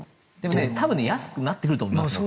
多分安くなってると思いますよ。